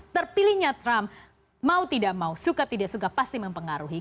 terpilihnya trump mau tidak mau suka tidak suka pasti mempengaruhi